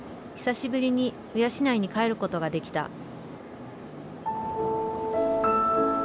久しぶりに鵜養に帰ることができた。